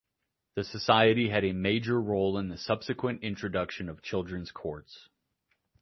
The society had a major role in the subsequent introduction of children's courts.